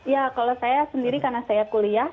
ya kalau saya sendiri karena saya kuliah